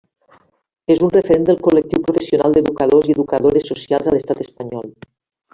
És un referent del col·lectiu professional d'educadors i educadores socials a l'Estat espanyol.